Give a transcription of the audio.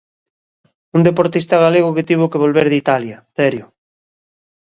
Un deportista galego que tivo que volver de Italia, Terio.